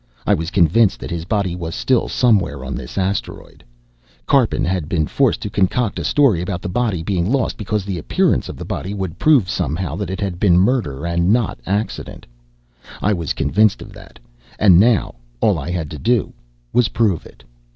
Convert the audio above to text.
I was convinced that his body was still somewhere on this asteroid. Karpin had been forced to concoct a story about the body being lost because the appearance of the body would prove somehow that it had been murder and not accident. I was convinced of that, and now all I had to do was prove it.